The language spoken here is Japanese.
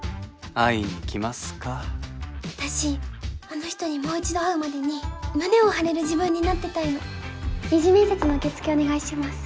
会いに来ますか私あの人にもう一度会うまでに胸を張れる自分になってたいの二次面接の受け付けお願いします